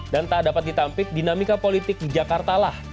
dan tak dapat ditampik dinamika politik di jakartalah